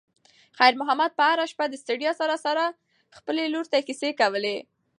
خیر محمد به هره شپه د ستړیا سره سره خپلې لور ته کیسې کولې.